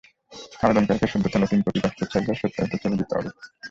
আবেদনকারীকে সদ্য তোলা তিন কপি পাসপোর্ট সাইজের সত্যায়িত ছবি দিতে হবে।